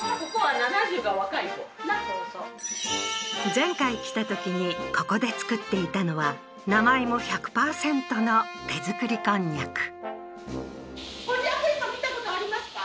前回来たときにここで作っていたのは生芋１００パーセントの手作り蒟蒻こんにゃく芋見たことありますか？